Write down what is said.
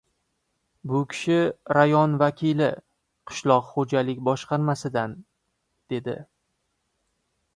— Bu kishi rayon vakili, qishloq xo‘jalik boshqarmasidan, — dedi.